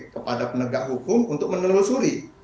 kepada penegak hukum untuk menelusuri